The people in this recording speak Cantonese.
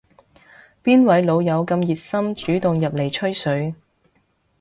邊位老友咁熱心主動入嚟吹水